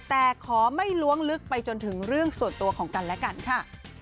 แต่ขอไม่ล้วงลึกไปจนถึงเรื่องส่วนตัวของกันและกันค่ะ